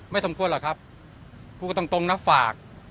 ไม่สมควรเหรอครับคุณตรงนะฝาก